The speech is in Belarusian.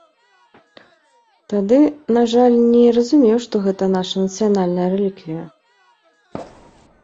Тады, на жаль, не разумеў, што гэта наша нацыянальная рэліквія.